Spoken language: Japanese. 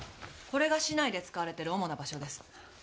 これが市内で使われてる主な場所です。